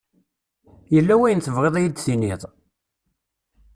Yella wayen tebɣiḍ ad yi-d-tiniḍ?